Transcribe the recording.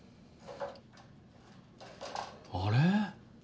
あれ？